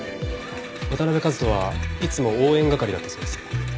渡辺和登はいつも応援係だったそうです。